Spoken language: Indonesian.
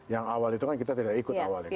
yang awal itu kan kita tidak ikut awal ya